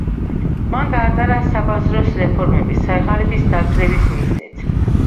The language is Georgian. მან გაატარა საბაზრო რეფორმები სიღარიბის დაძლევის მიზნით.